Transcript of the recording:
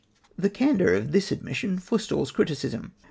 The candour of this admission forestalls criticism.